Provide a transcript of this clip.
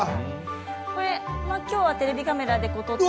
今日はテレビカメラで撮って。